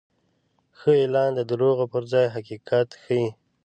ښه اعلان د دروغو پر ځای حقیقت ښيي.